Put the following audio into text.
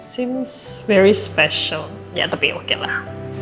seolah olah sangat istimewa ya tapi oke lah